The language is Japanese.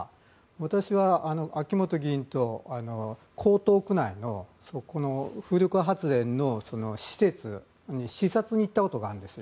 私は秋本議員と江東区内の風力発電の施設に視察に行ったことがあるんです。